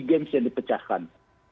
sea games yang dipecahkan